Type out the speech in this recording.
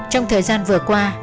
trong thời gian vừa qua